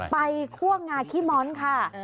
ไปขั้วง่าคี่ม้อนค่ะ